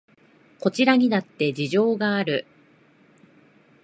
こちらにだって事情がある